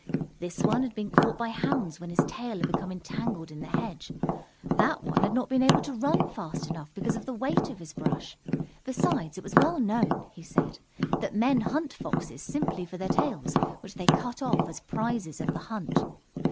This one had been caught by hounds when his tail had become entangled in the hedge. That one had not been able to run fast enough because of the weight of his brush. Besides, it was well known, he said, that men hunt Foxes simply for their tails, which they cut off as prizes of the hunt.